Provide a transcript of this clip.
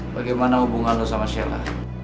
bagaimana hubungan lu sama sheila